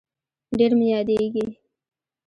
ډير مي ياديږي